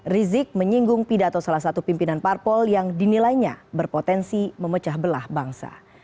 rizik menyinggung pidato salah satu pimpinan parpol yang dinilainya berpotensi memecah belah bangsa